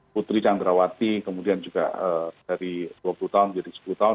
putri candrawati kemudian juga dari dua puluh tahun menjadi sepuluh tahun